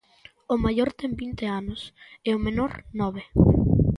O maior ten vinte anos, e o menor, nove.